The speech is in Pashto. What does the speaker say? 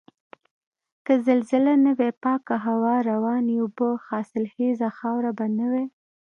که زلزلې نه وای پاکه هوا، روانې اوبه، حاصلخیزه خاوره به نه وای.